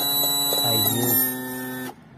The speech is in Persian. ایوب